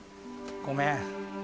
ごめん。